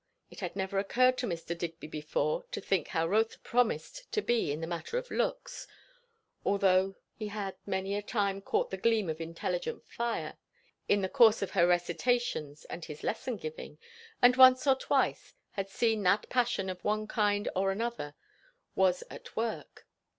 It had never occurred to Mr. Digby before to think how Rotha promised to be in the matter of looks; although he had many a time caught the gleam of intelligent fire in the course of her recitations and his lesson giving, and once or twice had seen that passion of one kind or another was at work.